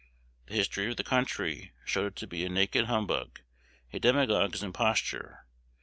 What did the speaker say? The history of the country showed it to be a naked humbug, a demagogue's imposture.